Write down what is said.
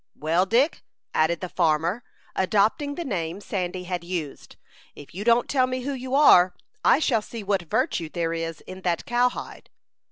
"Well, Dick," added the farmer, adopting the name Sandy had used, "if you don't tell me who you are, I shall see what virtue there is in that cowhide."